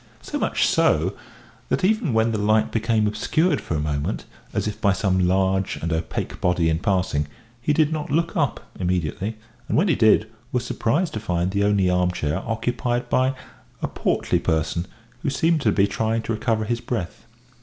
So much so that, even when the light became obscured for a moment, as if by some large and opaque body in passing, he did not look up immediately, and, when he did, was surprised to find the only armchair occupied by a portly person, who seemed to be trying to recover his breath.